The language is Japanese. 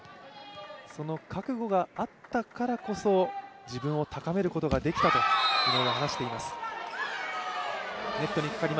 その覚悟があったからこそ自分を高めることができたと井上は話しています。